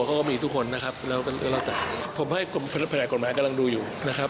เขาก็มีทุกคนนะครับแล้วก็แล้วแต่ผมให้กรมแผนกฎหมายกำลังดูอยู่นะครับ